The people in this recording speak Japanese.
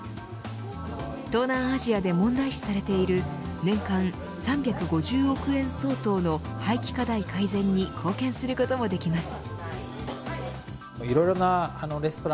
東南アジアで問題視されている年間３５０億円相当の廃棄課題改善に貢献することもできます。